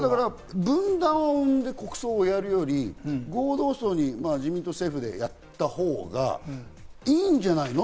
分断を生んで国葬をやるより、合同葬、自民党と政府でやったほうがいいんじゃないの？